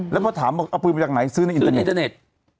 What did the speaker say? แล้วพอถามบอกเอาปืนมาจากไหนซื้อในอินเตอร์เน็ต